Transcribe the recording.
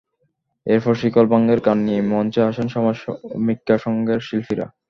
এরপর শিকল ভাঙার গান নিয়ে মঞ্চে আসেন সমাজ সমীক্ষা সংঘের শিল্পীরা।